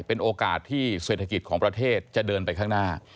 เป็นโอกาสที่เศรษฐกิจของประเทศจะเดินไปข้างหน้า